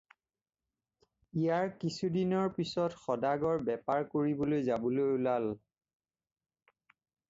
ইয়াৰ কিছুদিনৰ পিছত সদাগৰ বেপাৰ কৰিবলৈ যাবলৈ ওলাল।